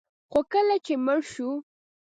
خو کله چې مړ شو